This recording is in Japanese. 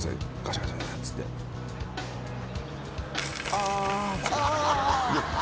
ああ。